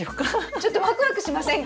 ちょっとワクワクしませんか？